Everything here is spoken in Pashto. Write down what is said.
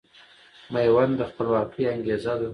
ميوند د خپلواکۍ انګېزه ده